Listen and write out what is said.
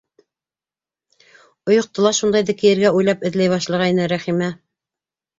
Ойоҡто ла шундайҙы кейергә уйлап эҙләй башлағайны, Рәхимә: